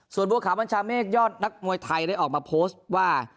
ส่วนบัวขาวบัญชาเมฆยอดนักมวยไทยได้ออกมาโพสต์ว่า